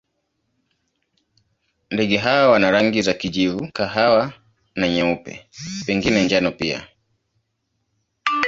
Ndege hawa wana rangi za kijivu, kahawa na nyeupe, pengine njano pia.